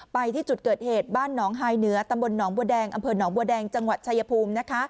ไปที่จุดเกิดเหตุบ้านนฮายเหนือตำบลนบัวแดงอนบัวแดงจังหวัดชายภูมิ